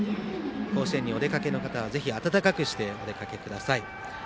甲子園にお出かけの方はぜひ暖かくしてお出かけください。